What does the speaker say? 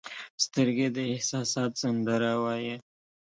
سترګې د احساسات سندره وایي